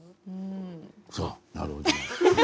なるほど。